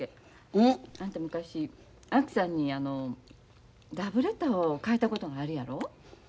ん？あんた昔あきさんにラブレターを書いたことがあるやろ？